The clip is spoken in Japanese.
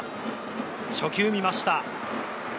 初球は見ました。